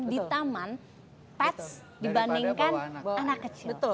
di taman pets dibandingkan anak kecil